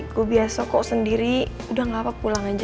gua biasa kok sendiri udah gapap pulang aja